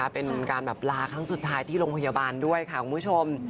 เป็นการแบบลาครั้งสุดท้ายที่โรงพยาบาลด้วยค่ะคุณผู้ชม